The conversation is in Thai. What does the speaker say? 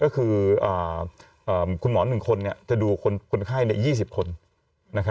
ก็คือคุณหมอ๑คนจะดูคนไข้๒๐คน